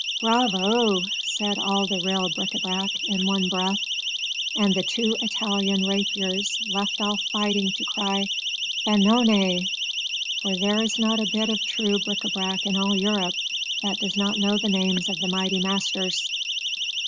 "Bravo!" said all the real bric à brac in one breath, and the two Italian rapiers left off fighting to cry, "Benone!" For there is not a bit of true bric à brac in all Europe that does not know the names of the mighty masters.